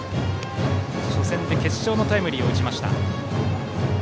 初戦で決勝のタイムリーを打ちました。